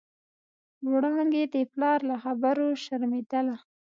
وړانګې د پلار له خبرو شرمېدله.